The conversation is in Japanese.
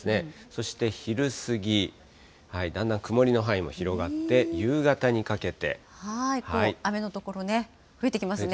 そして昼過ぎ、だんだん曇りの範雨の所ね、増えてきますね。